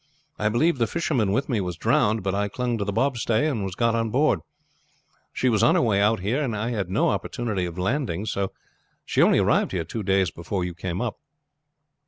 I believe the fisherman with me was drowned, but I clung to the bobstay and was got on board. She was on her way out here and had no opportunity of landing me. She only arrived here two days before you came up."